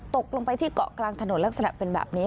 ตกลงไปที่เกาะกลางถนนลักษณะเป็นแบบนี้